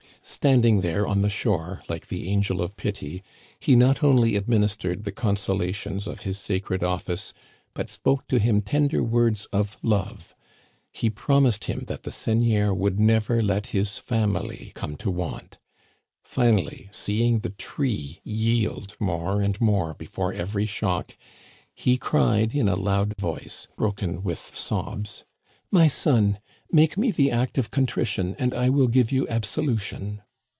Standing there on the shore, like the Angel of Pity, he not only administered the consolations of his sacred office, but spoke to him tender words of love. He promised him that the seigneur would never let his family come to want. Finally, seeing the tree yield more and more be fore every shock, he cried in a loud voice, broken with sobs: " My son, make me the 'Act of Contrition ' and I will give you absolution."